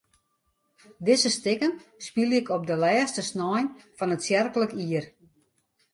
Dizze stikken spylje ik op de lêste snein fan it tsjerklik jier.